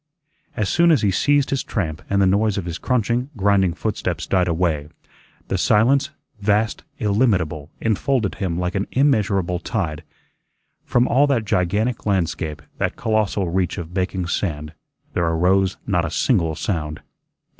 As soon as he ceased his tramp and the noise of his crunching, grinding footsteps died away, the silence, vast, illimitable, enfolded him like an immeasurable tide. From all that gigantic landscape, that colossal reach of baking sand, there arose not a single sound.